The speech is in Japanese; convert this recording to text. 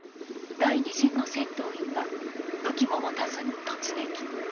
第２陣の戦闘員が武器も持たずに突撃。